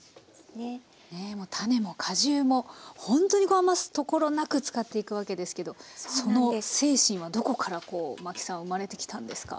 ねえもう種も果汁もほんとに余すところなく使っていくわけですけどその精神はどこからこう麻紀さん生まれてきたんですか？